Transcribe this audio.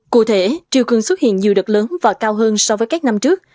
cụ thể triều cường xuất hiện nhiều đợt lớn và cao hơn so với các năm trước